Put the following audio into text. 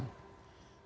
tapi menurut ibu